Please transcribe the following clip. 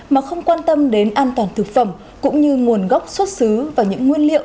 mà không quan tâm đến an toàn thực phẩm cũng như nguồn gốc xuất xứ và những nguyên liệu